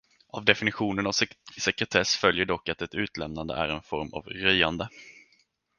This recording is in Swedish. Av definitionen av sekretess följer dock att ett utlämnande är en form av röjande.